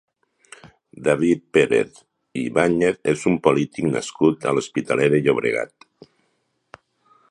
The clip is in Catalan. David Pérez i Ibáñez és un polític nascut a l'Hospitalet de Llobregat.